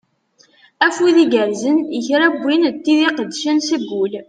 Afud igerzen i kra n wid d tid iqeddcen seg ul.